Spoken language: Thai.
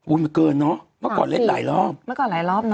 มันเกินเนอะเมื่อก่อนเล่นหลายรอบเมื่อก่อนหลายรอบเน